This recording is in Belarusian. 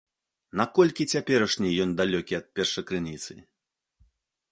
Наколькі цяперашні ён далёкі ад першакрыніцы?